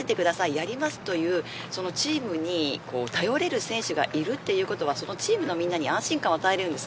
やりますというチームに頼れる選手がいるということはチームの皆に安心感を与えます。